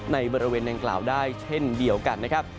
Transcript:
ในบริเวณดังกล่าวได้เช่นเดียวกันนะครับ